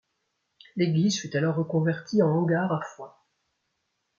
L'église fut alors reconvertie en hangar à foin.